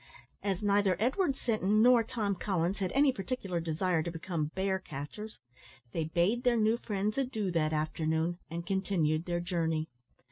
As neither Edward Sinton nor Tom Collins had any particular desire to become bear catchers, they bade their new friends adieu that afternoon, and continued their journey.